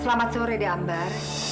selamat sore deambar